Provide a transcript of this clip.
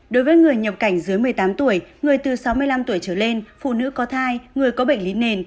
đối với người nhập cảnh dưới một mươi tám tuổi người từ sáu mươi năm tuổi trở lên phụ nữ có thai người có bệnh lý nền